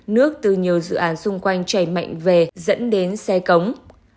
nước từ nhiều dự án xung quanh chảy mạnh về dẫn đến xe cống